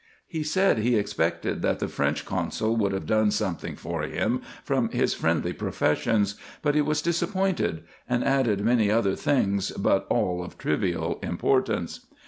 He said he expected, that the French consul would have done something for him, from his friendly pro fessions, but he was disappointed ; and added many other things, but all of trivial importance.